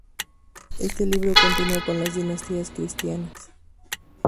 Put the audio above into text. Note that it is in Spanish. Este libro continúa con las dinastías cristianas.